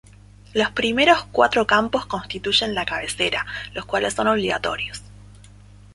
Los primeros cuatro campos constituyen la cabecera, los cuales son obligatorios.